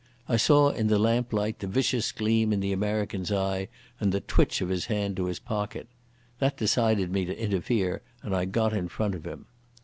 I saw in the lamplight the vicious gleam in the American's eye and the twitch of his hand to his pocket. That decided me to interfere and I got in front of him.